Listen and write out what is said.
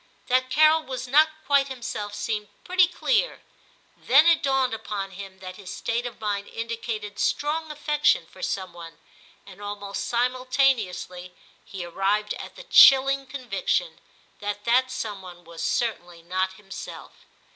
That Carol was not quite himself seemed pretty clear ; then it dawned upon him that his state of mind indicated strong affection for some one, and almost simultaneously he arrived at the chilling conviction that that some one was certainly not himself.